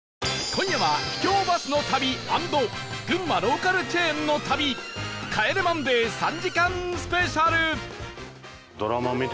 今夜は秘境バスの旅＆群馬ローカルチェーンの旅『帰れマンデー』３時間スペシャル